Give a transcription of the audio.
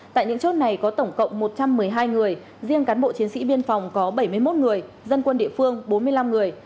tại những chốt này có tổng cộng một trăm một mươi hai người riêng cán bộ chiến sĩ biên phòng có bảy mươi một người dân quân địa phương bốn mươi năm người